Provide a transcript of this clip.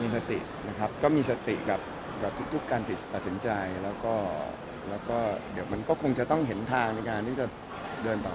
สตินะครับก็มีสติกับทุกการตัดสินใจแล้วก็เดี๋ยวมันก็คงจะต้องเห็นทางในการที่จะเดินต่อ